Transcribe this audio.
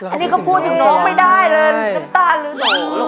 อันนี้เขาพูดถึงน้องไม่ได้เลยน้ำตาลหรือหนู